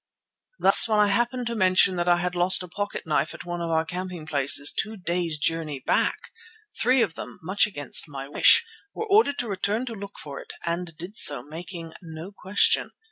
Thus, when I happened to mention that I had lost a pocket knife at one of our camping places two days' journey back, three of them, much against my wish, were ordered to return to look for it, and did so, making no question.